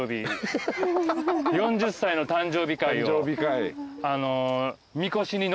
４０歳の誕生日会を。